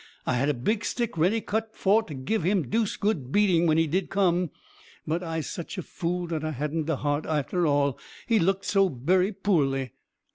I had a big stick ready cut for to gib him deuced good beating when he did come but Ise sich a fool dat I hadn't de heart arter all he looked so berry poorly."